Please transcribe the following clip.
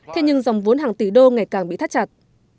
thế nhưng dòng vốn hàng tỷ đô ngày càng bị thắt chặt